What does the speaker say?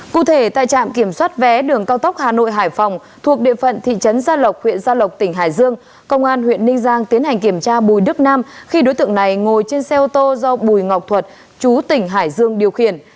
cụ thể tại trạm kiểm soát vé đường cao tốc hà nội hải phòng thuộc địa phận thị trấn gia lộc huyện gia lộc tỉnh hải dương công an huyện ninh giang tiến hành kiểm tra bùi đức nam khi đối tượng này ngồi trên xe ô tô do bùi ngọc thuật chú tỉnh hải dương điều khiển